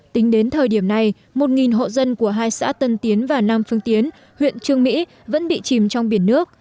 tính đến thời điểm này một hộ dân của hai xã tân tiến và nam phương tiến huyện trương mỹ vẫn bị chìm trong biển nước